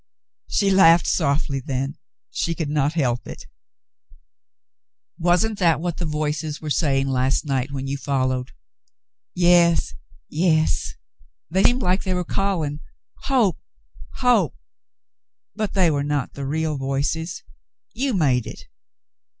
She laughed softly then. She could not help it. "Wasn't that what the * Voices' were saying last night when you followed ?" "Yes, yes. They seemed like they were calling, *Hope, hope,' but they were not the real * Voices.' You made it."